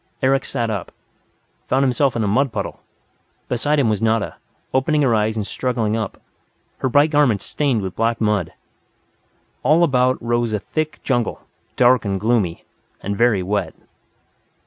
Eric sat up, found himself in a mud puddle. Beside him was Nada, opening her eyes and struggling up, her bright garments stained with black mud. All about rose a thick jungle, dark and gloomy and very wet.